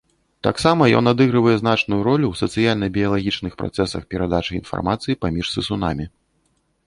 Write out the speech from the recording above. Таксама ён адыгрывае значную ролю ў сацыяльна-біялагічных працэсах перадачы інфармацыі паміж сысунамі.